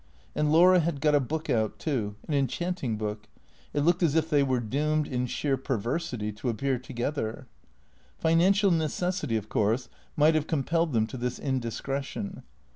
And Laura had got a book out, too, an enchanting book. It looked as if they were doomed, in sheer perversity, to appear together. Financial necessity, of course, might have compelled them to this indiscretion.